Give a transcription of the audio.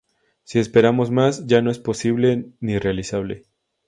Si esperamos más, ya no es posible ni realizable.